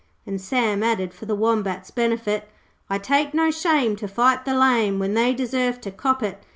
and Sam added for the Wombat's benefit 'I take no shame to fight the lame When they deserve to cop it.